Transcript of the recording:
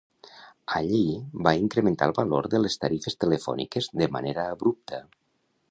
Allí va incrementar el valor de les tarifes telefòniques de manera abrupta.